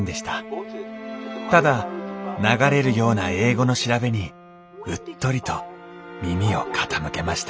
ただ流れるような英語の調べにうっとりと耳を傾けました